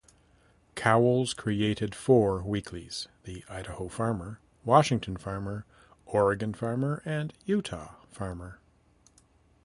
Cowles created four weeklies, the "Idaho Farmer", "Washington Farmer", "Oregon Farmer" and "Utah Farmer".